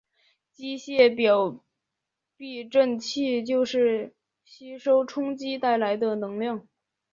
机械表避震器就是吸收冲击带来的能量。